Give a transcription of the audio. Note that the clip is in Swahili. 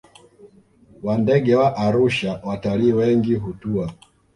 wa ndege wa Arusha Watalii wengi hutua